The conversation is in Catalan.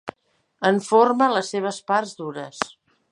En forma les seves parts dures.